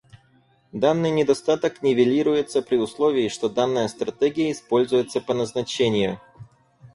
Данный недостаток нивелируется при условии, что данная стратегия используется по назначению